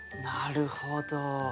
なるほど。